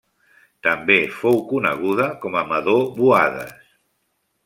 També fou coneguda com a Madò Buades.